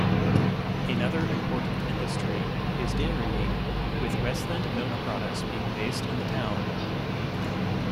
Another important industry is dairying, with Westland Milk Products being based in the town.